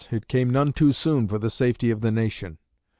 It came none too soon for the safety of the nation.